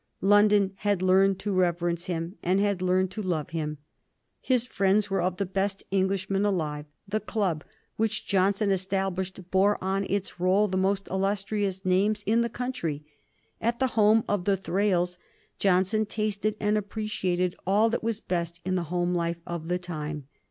London had learned to reverence him, had learned to love him. His friends were the best Englishmen alive; the club which Johnson established bore on its roll the most illustrious names in the country; at the home of the Thrales Johnson tasted and appreciated all that was best in the home life of the time.